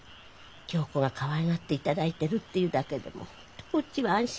響子がかわいがっていただいてるっていうだけでもこっちは安心だもの。